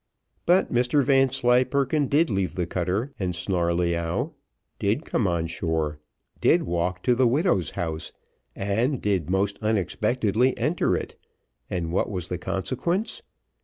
But Mr Vanslyperken did leave the cutter and Snarleyyow, did come on shore, did walk to the widow's house, and did most unexpectedly enter it, and what was the consequence?